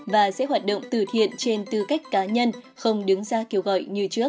và sẽ hoạt động từ thiện trên tư cách cá nhân không đứng ra kêu gọi như trước